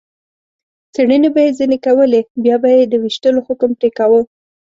څېړنې به یې ځنې کولې، بیا به یې د وېشتلو حکم پرې کاوه.